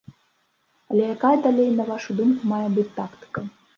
Але якая далей, на вашу думку, мае быць тактыка?